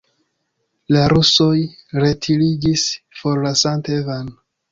La rusoj retiriĝis, forlasante Van.